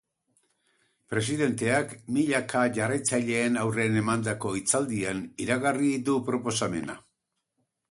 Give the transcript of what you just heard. Presidenteak milaka jarraitzaileren aurren emandako hitzaldian iragarri du proposamena.